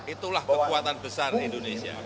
itulah kekuatan besar indonesia